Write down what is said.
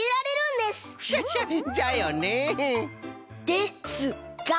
ですが！